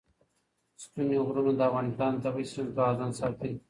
ستوني غرونه د افغانستان د طبعي سیسټم توازن ساتي.